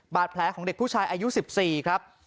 บาดแผลของเด็กผู้ชายอายุ๑๔ครับ